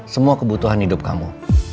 semua kebutuhan hidup kamu